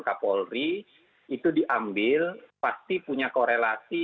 kapolri itu diambil pasti punya korelasi